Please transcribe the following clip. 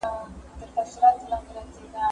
زه به سبزیحات جمع کړي وي!؟